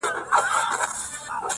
لا هنوز لرم يو لاس او يوه سترگه!.